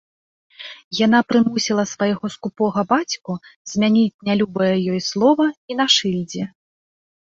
Яна прымусіла свайго скупога бацьку змяніць нялюбае ёй слова і на шыльдзе.